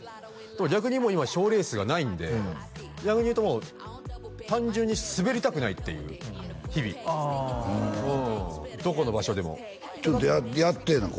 でも逆に今賞レースがないんで逆に言うともう単純にスベりたくないっていう日々あどこの場所でもちょっとやってえな